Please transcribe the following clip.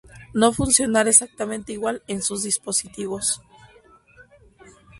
no funcionar exactamente igual en sus dispositivos